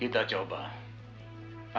kami akan mencoba untuk mencoba